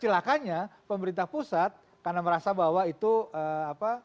silakannya pemerintah pusat karena merasa bahwa itu apa